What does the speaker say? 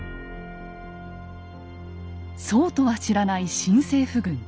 そうとは知らない新政府軍。